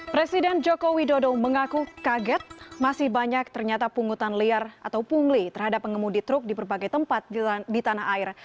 presiden joko widodo mengaku kaget masih banyak ternyata pungutan liar atau pungli terhadap pengemudi truk di berbagai tempat di tanah air